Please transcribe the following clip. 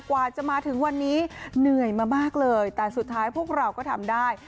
กว่าจะมาถึงวันนี้เหนื่อยมามากเลยแต่สุดท้ายพวกเราก็ทำได้